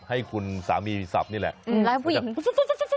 ให้คุณสามีสับนี่แหละไลฟ์ผู้หญิง